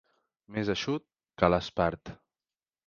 Més eixut que l'espart.